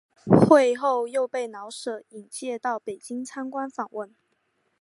会后又被老舍引介到北京参观访问。